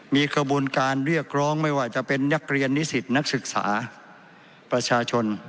มีกระบวนการเรียกร้องไม่ว่าจะเป็นนักเรียนนิสิตนักศึกษาประชาชน